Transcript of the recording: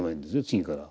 次から。